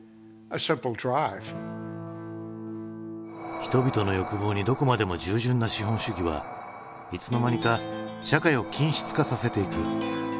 人々の欲望にどこまでも従順な資本主義はいつの間にか社会を均質化させていく。